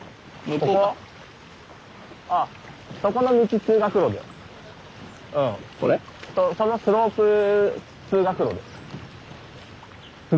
そうそのスロープ通学路です。